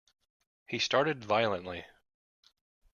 He started violently.